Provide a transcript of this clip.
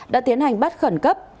đã tiến hành bắt khẩn cấp